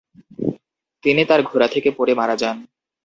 তিনি তার ঘোড়া থেকে পড়ে মারা যান।